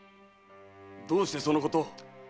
どうしてそのことを。